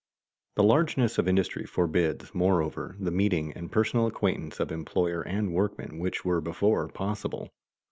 The largeness of industry forbids, moreover, the meeting and personal acquaintance of employer and workman which were before possible.